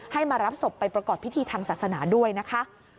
มารับศพไปประกอบพิธีทางศาสนาด้วยนะคะ